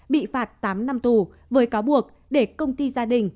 bị phạt tám năm tù với cáo buộc để công ty gia đình